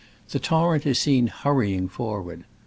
The torrent is seen hurrying forward.